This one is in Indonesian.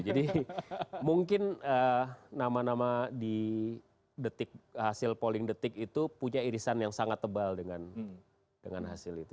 jadi mungkin nama nama di detik hasil polling detik itu punya irisan yang sangat tebal dengan hasil itu